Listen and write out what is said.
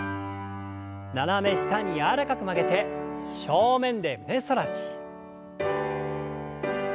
斜め下に柔らかく曲げて正面で胸反らし。